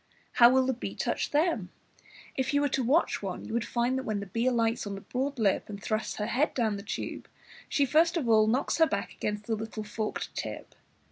How will the bee touch them? If you were to watch one, you would find that when the bee alights on the broad lip and thrusts her head down the tube, she first of all knows her back against the little forked tip.